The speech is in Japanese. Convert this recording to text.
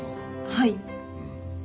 はい。